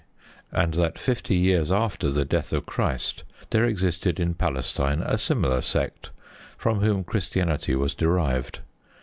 and that fifty years after the death of Christ there existed in Palestine a similar sect, from whom Christianity was derived.